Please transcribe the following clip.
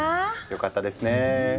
よかったですねぇ。